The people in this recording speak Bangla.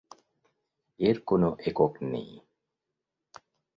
এর কোন একক নেই।